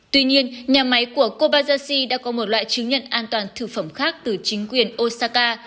tuy nhiên nhà máy của kobajashi đã có một loại chứng nhận an toàn thực phẩm khác từ chính quyền osaka